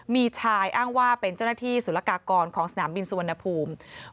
มีชายอ้างว่าเป็นเจ้าหน้าที่สุรกากรของสนามบินสุวรรณภูมิ